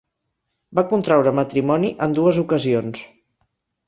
Va contraure matrimoni en dues ocasions.